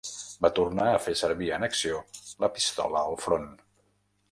Va tornar a fer servir en acció la pistola al front.